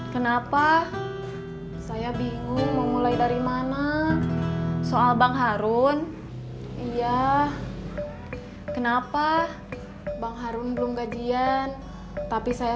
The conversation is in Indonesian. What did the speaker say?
kenapa saya bingung mau mulai dari mana soal bang harun iya kenapa bang harun belum gajian tapi saya